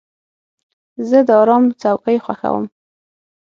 زه د آرام څوکۍ خوښوم.